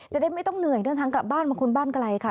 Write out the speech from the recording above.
จะได้ไม่ต้องเหนื่อยเดินทางกลับบ้านมาค้นบ้านไกลค่ะ